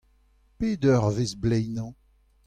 Pet eurvezh bleinañ ?